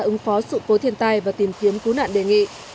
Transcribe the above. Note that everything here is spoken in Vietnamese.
ứng phó sự cố thiên tai và tìm kiếm cứu nạn đề nghị